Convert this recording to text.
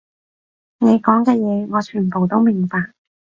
你講嘅嘢，我全部都明白